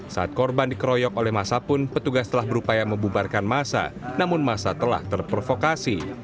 saat korban dikeroyok oleh massa pun petugas telah berupaya membubarkan massa namun massa telah terpervokasi